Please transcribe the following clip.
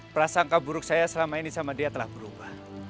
prasangka buruk saya selama ini sama dia telah berubah